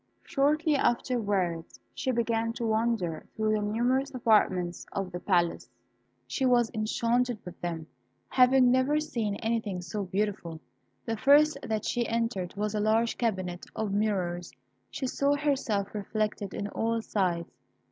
Shortly afterwards she began to wander through the numerous apartments of the palace. She was enchanted with them, having never seen anything so beautiful. The first that she entered was a large cabinet of mirrors. She saw herself reflected on all sides.